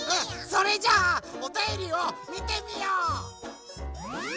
それじゃあおたよりをみてみよう！